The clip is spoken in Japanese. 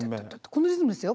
このリズムですよ